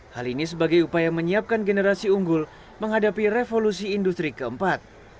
hal ini sebagai upaya menyiapkan generasi unggul menghadapi revolusi industri keempat